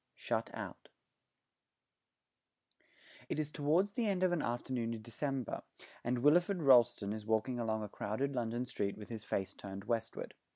SHUT OUT It is towards the end of an afternoon in December, and Wilfred Rolleston is walking along a crowded London street with his face turned westward.